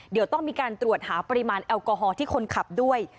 เดี๋ยวต้องมีการตรวจหาปริมาณแอลกอฮอล์ที่คนขับด้วย